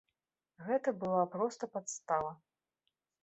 Гэта была проста падстава.